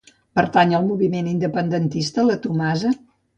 Pertany al moviment independentista la Tomasa?